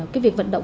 cái việc vận động